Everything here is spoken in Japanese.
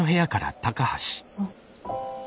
あっ。